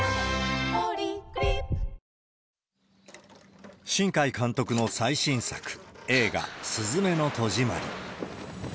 ポリグリップ新海監督の最新作、映画、すずめの戸締まり。